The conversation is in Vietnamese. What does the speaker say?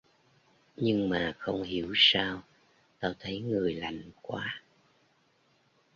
Nhưng mà không hiểu sao tao thấy người lạnh quá